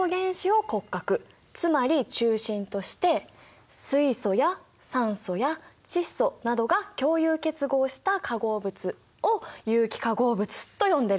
つまり中心として水素や酸素や窒素などが共有結合した化合物を有機化合物と呼んでるんだ。